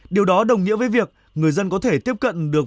điều đó đồng nghĩa với việc người dân có thể tiếp cận được